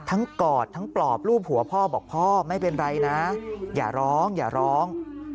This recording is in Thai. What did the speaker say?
กอดทั้งปลอบรูปหัวพ่อบอกพ่อไม่เป็นไรนะอย่าร้องอย่าร้อง